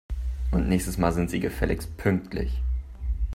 Und nächstes Mal sind Sie gefälligst pünktlich